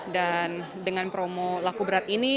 dan dengan promo laku berat ini